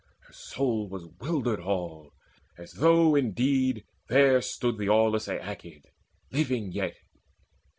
Her soul was wildered all, as though indeed There stood the aweless Aeacid living yet.